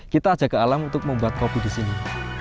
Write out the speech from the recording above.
kita ajak ke alam untuk membuat kopi disini